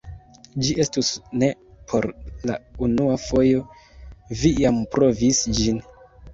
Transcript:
Ĝi estus ne por la unua fojo, vi jam provis ĝin!